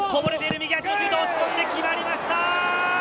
右足、押し込んで決まりました！